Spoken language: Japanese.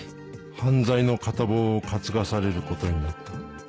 犯罪の片棒を担がされることになった